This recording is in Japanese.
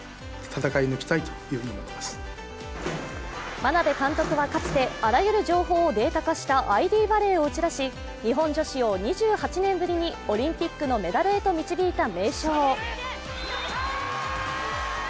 眞鍋監督はかつてあらゆる情報をデータ化したＩＤバレーを打ち出し日本女子を２８年ぶりにオリンピックのメダルへと導いた名将。